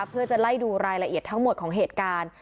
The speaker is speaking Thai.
เพื่อจะไล่ดูรายละเอียดทั้งหมดของเหตุการณ์